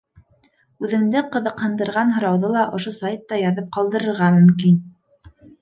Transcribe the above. Үҙеңде ҡыҙыҡһындырған һорауҙы ла ошо сайтта яҙып ҡалдырырға мөмкин.